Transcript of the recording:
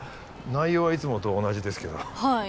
内容はいつもと同じですけどはい